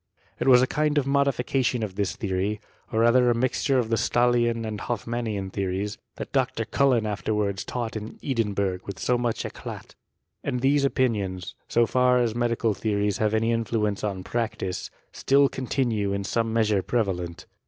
It. was a kind of modification of this theory, or rather mixture of the Stahlian and Hoffmannian theories, that. Dr. Cullen afterwards taught in Edinbui^h ynik much eclat. And these opinions, so far as medical theories have any influence on practice, still contino^, in some measure prevalent.